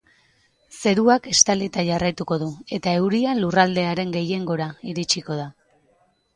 Zeruak estalita jarraituko du eta euria lurraldearen gehiengora iritsiko da.